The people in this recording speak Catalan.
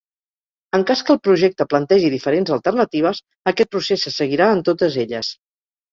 En cas que el projecte plantegi diferents alternatives, aquest procés se seguirà en totes elles.